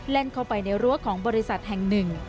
แล่งเข้าไปในรั้วของบริษัทแห่ง๑